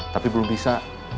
tapi belum bisa